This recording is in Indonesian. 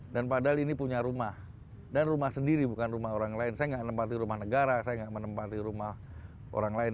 dan padahal ini punya rumah dan rumah sendiri bukan rumah orang lain saya nggak menempati rumah negara saya nggak menempati rumah orang lain